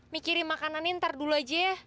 mikirin makanan ini ntar dulu aja ya